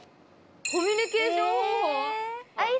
「コミュニケーション方法」！